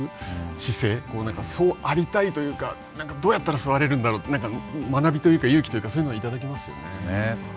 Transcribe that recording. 姿勢なんかそうありたいというかどうやったらそうなれるんだろうと学びというか勇気というかそういうのをいただきますよね。